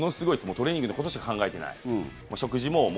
トレーニングのことしか考えてない。